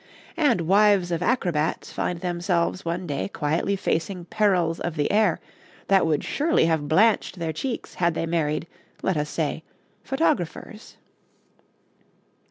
And wives of acrobats find themselves one day quietly facing perils of the air that would surely have blanched their cheeks had they married, let us say, photographers.